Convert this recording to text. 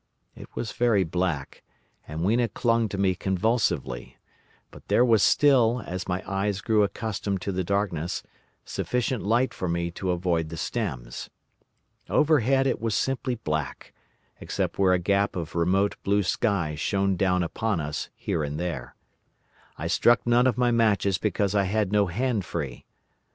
It was very black, and Weena clung to me convulsively, but there was still, as my eyes grew accustomed to the darkness, sufficient light for me to avoid the stems. Overhead it was simply black, except where a gap of remote blue sky shone down upon us here and there. I lit none of my matches because I had no hand free.